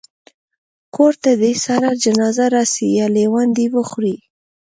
کور ته دي سره جنازه راسي یا لېوان دي وخوري